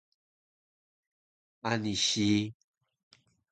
Ani si